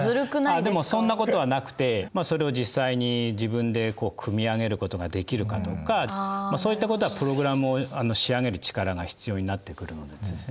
でもそんなことはなくてそれを実際に自分で組み上げることができるかどうかそういったことはプログラムを仕上げる力が必要になってくるんですね。